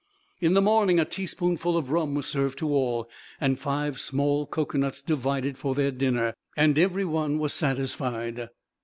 In the morning a teaspoonful of rum was served to all, and five small cocoanuts divided for their dinner, and every one was satisfied.